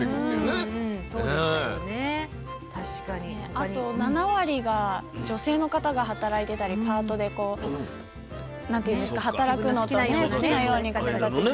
あと７割が女性の方が働いていたりパートでこう何て言うんですか働くのとね好きなように子育てしながら。